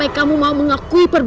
aku akan menganggap